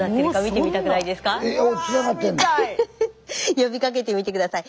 呼びかけてみて下さい。